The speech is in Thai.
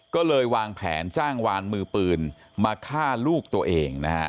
ก็เลยวางแผนจ้างวานมือปืนมาฆ่าลูกตัวเองนะฮะ